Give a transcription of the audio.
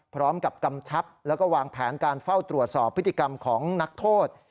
กำชับแล้วก็วางแผนการเฝ้าตรวจสอบพฤติกรรมของนักโทษ